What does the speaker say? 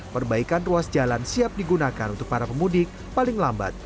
perbaikan ruas jalan siap digunakan untuk para pemudik paling lambat